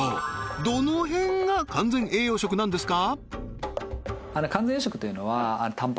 どの辺が完全栄養食なんですか？